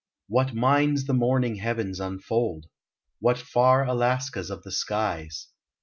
What mines the morning heavens unfold! What far Alaskas of the skies!